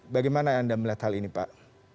bagaimana anda melihat hal ini pak